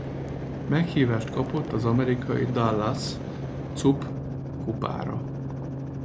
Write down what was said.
Meghívást kapott az amerikai Dallas Cup tornára.